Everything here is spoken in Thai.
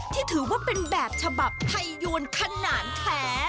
ที่ถือว่าเป็นแบบฉบับไทยยวนขนาดแท้